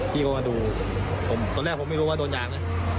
พี่เขาก็มาดูตอนแรกผมไม่รู้ว่าโดนอย่างเนี่ย